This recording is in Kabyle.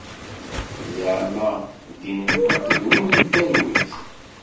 Zeɛma ddin-nkent d win n talwit?